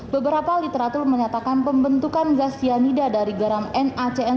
beberapa literatur menyatakan pembentukan gas cyanida dari garam nacn